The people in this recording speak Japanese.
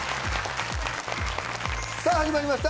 さぁ始まりました